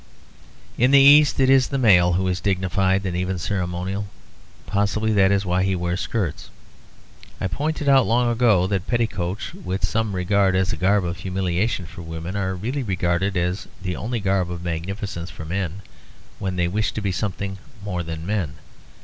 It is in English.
In the East it is the male who is dignified and even ceremonial. Possibly that is why he wears skirts. I pointed out long ago that petticoats, which some regard as a garb of humiliation for women are really regarded as the only garb of magnificence for men, when they wish to be something more than men.